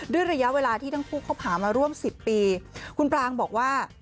ด้วยระยะเวลาที่ทั้งผู้เข้าผ่านมาร่วมสิบปีคุณปรางบอกว่า